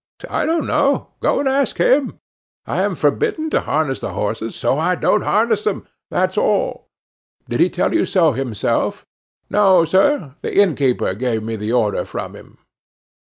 "I don't know. Go and ask him. I am forbidden to harness the horses, so I don't harness them that's all." "Did he tell you so himself?" "No, sir; the innkeeper gave me the order from him."